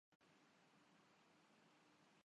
اگلے ماہ Pakistan West Indies کا دورہ کرے گا